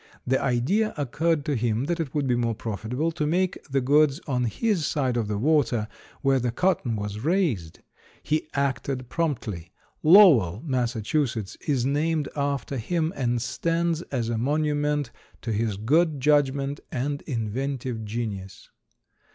The idea occurred to him that it would be more profitable to make the goods on his side of the water where the cotton was raised. He acted promptly. Lowell, Massachusetts, is named after him, and stands as a monument to his good judgment and inventive genius.